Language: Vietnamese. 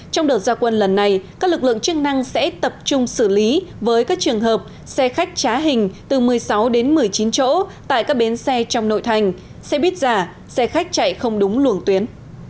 trong đợt gia quân lần này các lực lượng chức năng sẽ tập trung xử lý với các trường hợp xe khách trá hình từ một mươi sáu đến một mươi chín chỗ tại các bến xe trong nội thành xe buýt giả xe khách chạy không đúng luồng tuyến